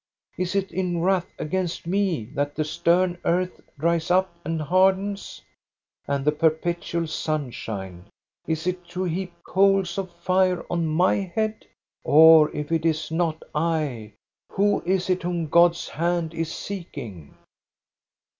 Is it in wrath against me that the stern earth dries up and hardens ?— and the perpetual sunshine, — is it to heap coals of fire on my head ? Or if it is not I, who is it whom God's hand is seeking?"